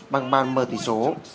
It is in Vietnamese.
bằng ban mở tỷ số